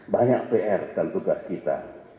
banyak pr dan tugas kita